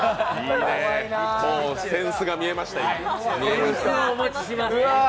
もう扇子が見えましたよ。